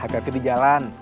hati hati di jalan